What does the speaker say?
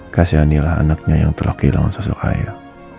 kasihanilah anaknya yang telah kehilangan sosok ayah